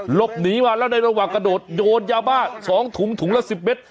หลบหนีมาแล้วในระหว่างกระโดดโยนยาบ้า๒ถุงถุงละ๑๐เมตร